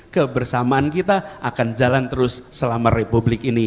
kebersamaan kita akan jalan terus selama republik ini